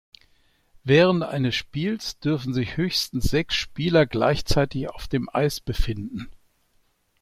Während eines Spiels dürfen sich höchstens sechs Spieler gleichzeitig auf dem Eis befinden.